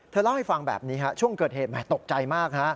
เล่าให้ฟังแบบนี้ช่วงเกิดเหตุแหมตกใจมาก